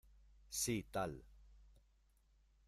sí tal.